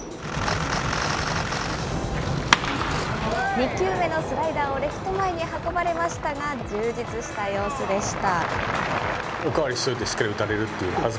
２球目のスライダーをレフト前に運ばれましたが、充実した様子でした。